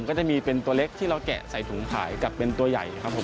ก็จะมีเป็นตัวเล็กที่เราแกะใส่ถุงขายกับเป็นตัวใหญ่ครับผม